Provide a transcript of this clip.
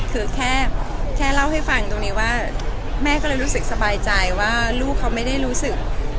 คือแค่เล่าให้ฟังตรงนี้ว่าแม่ก็เลยรู้สึกสบายใจว่าลูกเขาไม่ได้รู้สึก